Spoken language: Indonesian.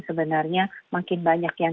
sebenarnya makin banyak yang